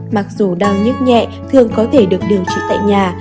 mặc dù đau nhức nhẹ thường có thể được điều trị tại nhà